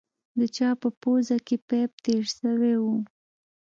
د چا په پوزه کښې پيپ تېر سوى و.